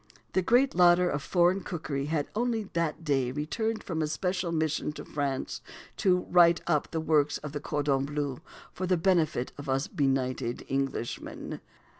The great lauder of foreign cookery had only that day returned from a special mission to France, to "write up" the works of the cordon bleu for the benefit of us benighted Englishmen.